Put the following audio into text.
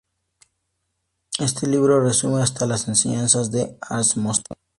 Este libro resume hasta las enseñanzas de Armstrong.